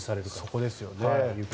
そこですよね。